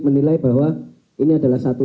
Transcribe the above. menilai bahwa ini adalah satu